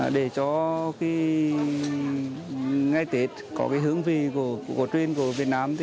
để cho ngay tết có hương vị của truyền của việt nam